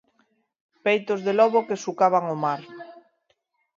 Peitos de lobo que sucaban o mar.